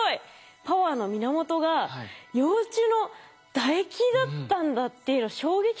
パワーの源が幼虫の唾液だったんだっていうのは衝撃的なんですけど。